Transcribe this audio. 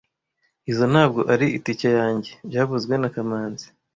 Izoi ntabwo ari itike yanjye byavuzwe na kamanzi